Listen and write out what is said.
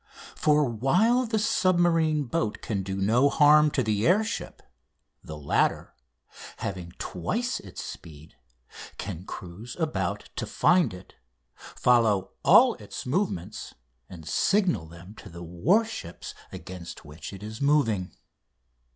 For, while the submarine boat can do no harm to the air ship, the latter, having twice its speed, can cruise about to find it, follow all its movements, and signal them to the warships against which it is moving.